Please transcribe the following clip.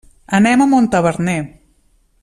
Anem a Montaverner.